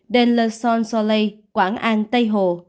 den le son soleil quảng an tây hồ